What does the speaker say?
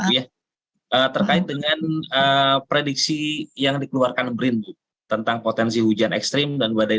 ya terkait dengan prediksi yang dikeluarkan brin tentang potensi hujan ekstrim dan badai